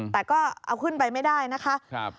แต่ก็เอาขึ้นไปไม่ได้นะคะ